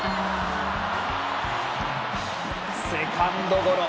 セカンドゴロ。